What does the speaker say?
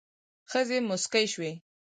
ښځې موسکې شوې.